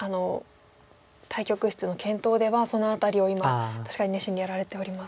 対局室の検討ではその辺りを今確かに熱心にやられております。